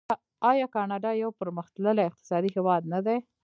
آیا کاناډا یو پرمختللی اقتصادي هیواد نه دی؟